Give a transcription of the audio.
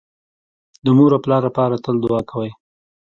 د مور او پلار لپاره تل دوعا کوئ